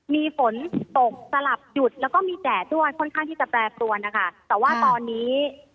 มีฝนตกสลับหยุดแล้วก็มีแดดด้วยค่อนข้างที่จะแปรปรวนนะคะแต่ว่าตอนนี้